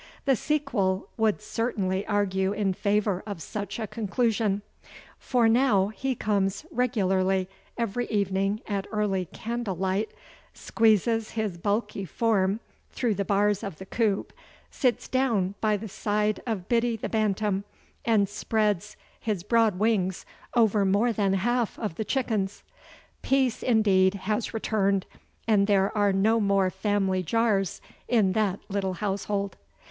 The sequel would certainly argue in favor of such a conclusion, for now he comes regularly every evening at early candle light, squeezes his bulky form through the bars of the coop, sits down by the side of Biddy the Bantam and spreads his broad wings over more than half of the chickens. Peace, indeed, has returned and there are no more family jars in that little household.